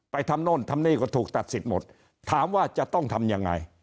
ทำโน่นทำนี่ก็ถูกตัดสิทธิ์หมดถามว่าจะต้องทำยังไง